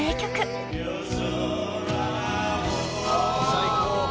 ・最高。